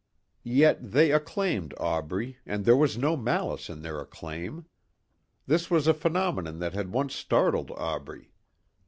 Yet they acclaimed Aubrey and there was no malice in their acclaim. This was a phenomenon that had once startled Aubrey.